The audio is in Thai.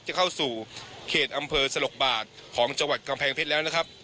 จะเข้าสู่เขตอำเภอสลกบาทของจังหวัดกำแพงเพชรแล้วนะครับ